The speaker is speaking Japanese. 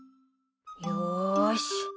よし。